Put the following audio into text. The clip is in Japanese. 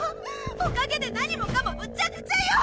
おかげで何もかもむちゃくちゃよ！